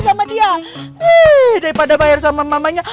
sama dia daripada bayar sama mamanya